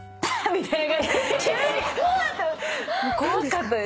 みたいな。